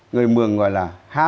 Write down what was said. người mường gọi là